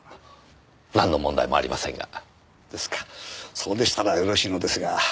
そうでしたらよろしいのですが。